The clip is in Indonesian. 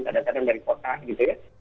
kadang kadang dari kota gitu ya